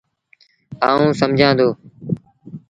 آئوٚݩ سمجھآݩ دو۔